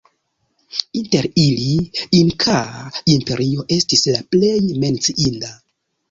Inter ili Inkaa Imperio estis la plej menciinda.